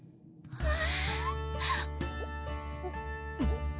ああ。